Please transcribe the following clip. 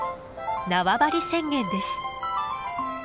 縄張り宣言です。